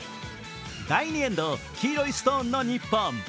第２エンド、黄色いストーンの日本。